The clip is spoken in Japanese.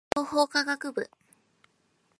情報科学部